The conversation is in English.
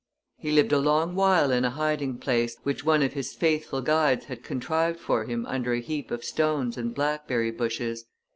He lived a long while in a hiding place, which one of his faithful guides had contrived for him under a heap of stones and blackberry bushes.